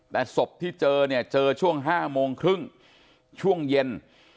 แต่ศพที่เจอเนี่ยเจอช่วง๕โมงครึ่งช่วงเย็น